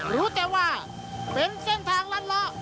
รู้แต่ว่าเป็นเส้นทางลัดเลาะ